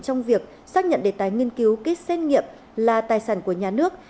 trong việc xác nhận đề tài nghiên cứu ký xét nghiệm là tài sản của nhà nước